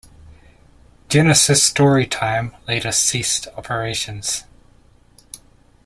Genesis Storytime later ceased operations.